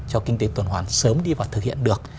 cho kinh tế tuần hoàn sớm đi vào thực hiện được